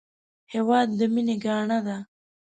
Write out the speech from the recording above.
هېواد د مینې ګاڼه ده